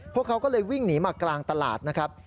พวกเขาก็เลยวิ่งหนีมากลางตลาดนะครับ